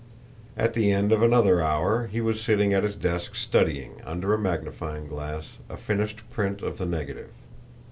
At the end of another hour he was sitting at his desk studying, under a magnifying glass, a finished print of the negative.